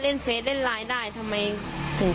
เฟสเล่นไลน์ได้ทำไมถึง